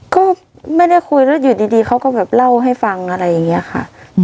ก็ไม่ได้คุยแล้วอยู่ดีเขาก็แบบเล่าให้ฟังอะไรอย่างนี้ค่ะ